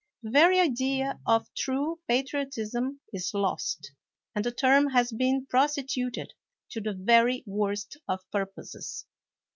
The very idea of true patriot ism is lost, and the term has been prostituted to the very worst of purposes.